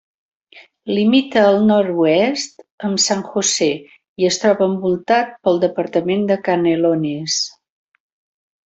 Limita al nord-oest amb San José i es troba envoltat pel departament de Canelones.